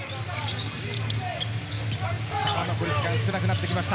残り時間少なくなってきました。